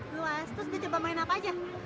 luas terus dia coba main apa aja